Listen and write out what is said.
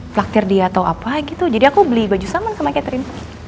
flaktir dia atau apa gitu jadi aku beli baju saman sama catering